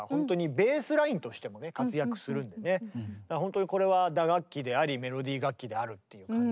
時にはほんとにこれは打楽器でありメロディー楽器であるという感じですね